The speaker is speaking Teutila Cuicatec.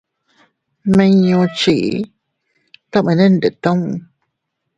Nmiñu nchii tomene ndetun.